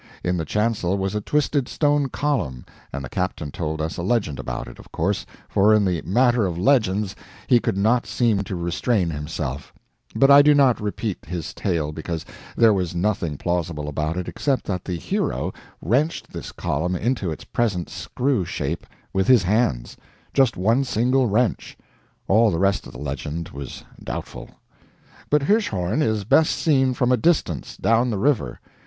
In the chancel was a twisted stone column, and the captain told us a legend about it, of course, for in the matter of legends he could not seem to restrain himself; but I do not repeat his tale because there was nothing plausible about it except that the Hero wrenched this column into its present screw shape with his hands just one single wrench. All the rest of the legend was doubtful. But Hirschhorn is best seen from a distance, down the river.